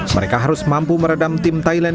mereka harus mampu meredam tim thailand